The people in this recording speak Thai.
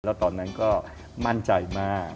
แล้วตอนนั้นก็มั่นใจมาก